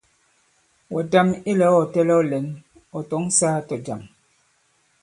Wɛ̀tam ilɛ̀ga ɔ̀ tɛlɛ̄w lɛ̌n, ɔ̀ tɔ̌ŋ sāā tɔ̀jàm.